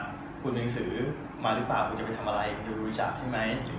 ว่าคุณหนังสือมาหรือเปล่าว่าคุณจะไปทำอะไรดูรขาดอะไรขอดูหนังสือก่อน